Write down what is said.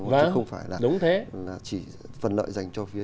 chứ không phải là chỉ phần lợi dành cho phía